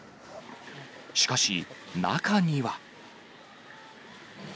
しかし、中には。